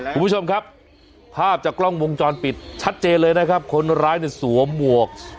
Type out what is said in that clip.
คุณผู้ชมครับภาพจากกล้องวงจรปิดชัดเจนเลยนะครับคนร้ายเนี่ยสวมหมวก